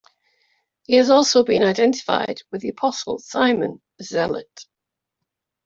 He has also been identified with the Apostle Simon the Zealot.